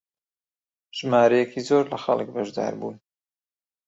ژمارەیەکی زۆر لە خەڵک بەشدار بوون